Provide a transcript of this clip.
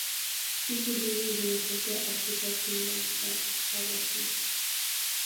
Spishi hizi zinatokea Afrika chini ya Sahara tu.